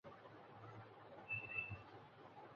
بننا آسان نہیں ہوتا